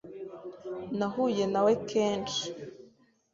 Nahuye na we kenshi